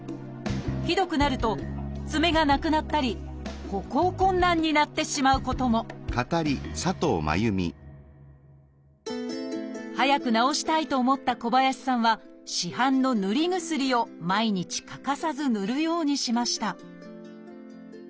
ひどくなると爪がなくなったり歩行困難になってしまうことも早く治したいと思った小林さんは市販のぬり薬を毎日欠かさずぬるようにしました